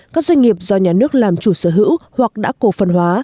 các doanh nghiệp do nhà nước làm chủ sở hữu hoặc đã cổ phần hóa